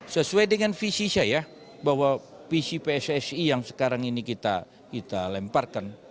sesuai dengan visi saya bahwa visi pssi yang sekarang ini kita lemparkan